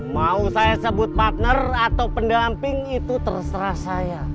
mau saya sebut partner atau pendamping itu terserah saya